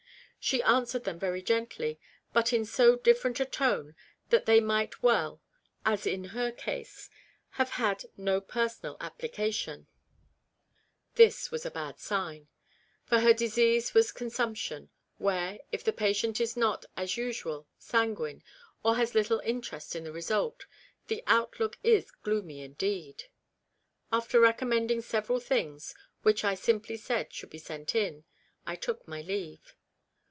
She answered them very gently, but in so different a tone that they might well, as in her case, have had no personal application. This was 212 REBECCA'S REMORSE. a bad sign ; for her disease was consumption, where, if the patient is not, as usual, sanguine, or has little interest in the result, the outlook is gloomy indeed. After recommending several things, which I simply said should be sent in, I took my leave.